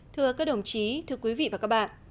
thưa các đồng chí thưa quý vị và các bạn